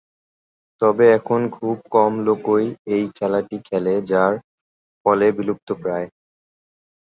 তবে এখন খুব কম লোকই এই খেলাটি খেলে যার ফলেবিলুপ্তপ্রায়।